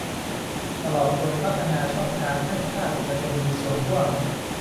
ตลอดจนพัฒนาช่องทางให้ภาคเอกชนมีส่วนร่วม